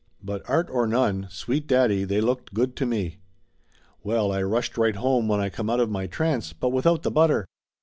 But art or none, sweet daddy, they looked good to me ! Well, I rushed right home when I come out of my trance, but without the butter.